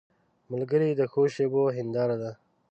ملګری د ښو شېبو هنداره ده